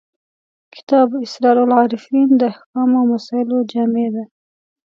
کتاب اسرار العارفین د احکامو او مسایلو جامع دی.